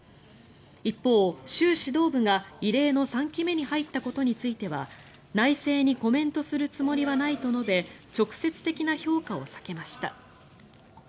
一方、習指導部が異例の３期目に入ったことについては内政にコメントするつもりはないと述べ直接的な評価を避けました。